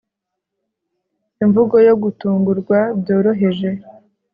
Imvugo yo gutungurwa byoroheje